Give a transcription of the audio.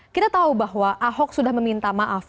kita tahu bahwa ahok sudah meminta maaf